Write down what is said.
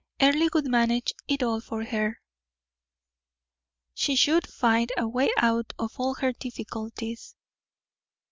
Earle would manage it all for her; she should find a way out of all her difficulties.